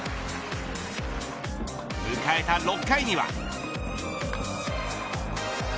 迎えた６回には。